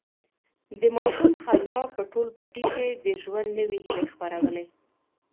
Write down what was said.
د ماشوم خندا په ټول پټي کې د ژوند نوي هیلې خپرولې.